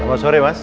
selamat sore mas